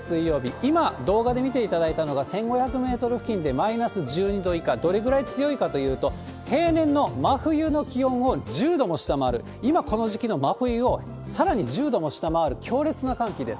今、動画で見ていただいたのが、１５００メートル付近でマイナス１２度以下、どれぐらい強いかというと、平年の真冬の気温を１０度も下回る、今この時期の真冬をさらに１０度も下回る強烈な換気です。